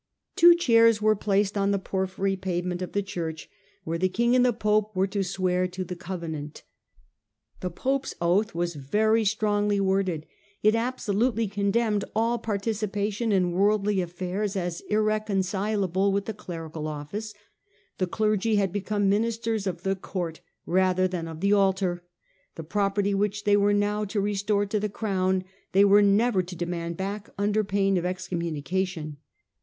Two chairs were placed on the porphyry pavement Digitized by VjOOQ IC Contest of Henry V. with the Pope 193 of the church, where the king and the pope were to Scene in St. swear to the covenant. The pope's oath was Petefa y^py gtrongly worded; it absolutely con demned all participation in worldly affairs, as irrecon cilable with the clerical office ; the clergy had become ministers of the court rather than of the altar ; the pro perty which they were now to restore to the crown they were never to demand back, under pain of excommuni cation.